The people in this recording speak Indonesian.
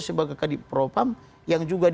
sebagai kadipropam yang juga